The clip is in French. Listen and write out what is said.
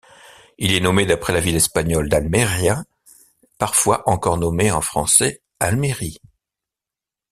Il est nommé d'après la ville espagnole d'Almería, parfois encore nommée en français Almérie.